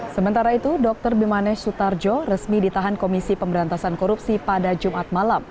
sementara itu dr bimanesh sutarjo resmi ditahan komisi pemberantasan korupsi pada jumat malam